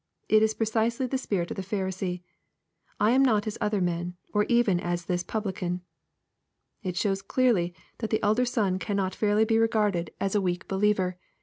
It is precisely the spirit of the Pharisee, " I am not as other men, — or even as this pubhcan." It shows clearly that the elder son cannot faii'ly be regarded as a weak 9 194 EXPOSITORY TUOUGHTS. believer.